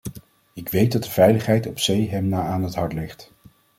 Ik weet dat de veiligheid op zee hem na aan het hart ligt.